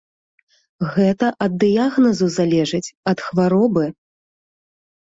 Гэта ад дыягназу залежыць, ад хваробы.